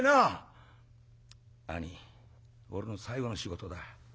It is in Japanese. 「兄ぃ俺の最後の仕事だ。